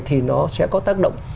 thì nó sẽ có tác động